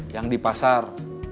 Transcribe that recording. yang di pasar